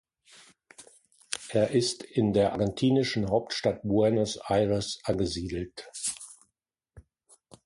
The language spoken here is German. Es ist in der argentinischen Hauptstadt Buenos Aires angesiedelt.